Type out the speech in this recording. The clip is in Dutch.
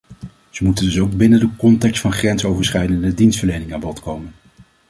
Ze moeten dus ook binnen de context van grensoverschrijdende dienstverlening aan bod komen.